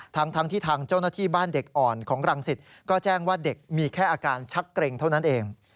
ทั้งที่ทางเจ้าหน้าที่บ้านเด็กอ่อนของรังสิตก็แจ้งว่าเด็กมีแค่อาการชักเกร็งเท่านั้นเอง